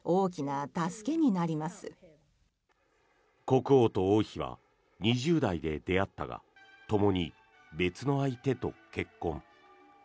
国王と王妃は２０代で出会ったがともに別の相手と結婚。